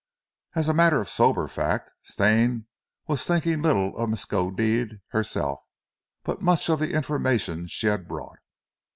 As a matter of sober fact, Stane was thinking little of Miskodeed herself, but much of the information she had brought.